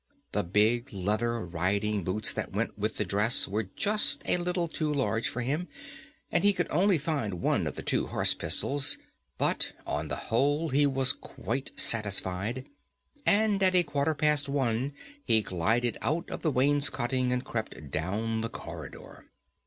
The big leather riding boots that went with the dress were just a little too large for him, and he could only find one of the two horse pistols, but, on the whole, he was quite satisfied, and at a quarter past one he glided out of the wainscoting and crept down the corridor.